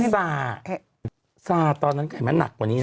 ซาซาตอนนั้นไงมันหนักกว่านี้นะ